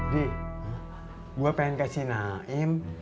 dik gue pengen kasih naim